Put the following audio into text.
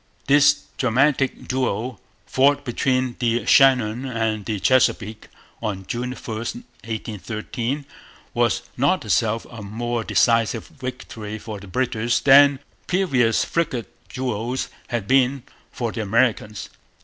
This dramatic duel, fought between the Shannon and the Chesapeake on June 1, 1813, was not itself a more decisive victory for the British than previous frigate duels had been for the Americans.